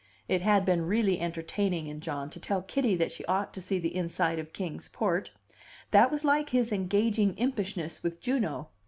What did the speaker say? It had been really entertaining in John to tell Kitty that she ought to see the inside of Kings Port; that was like his engaging impishness with Juno.